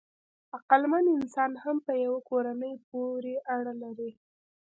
عقلمن انسان هم په یوه کورنۍ پورې اړه لري.